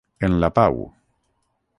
En la pau: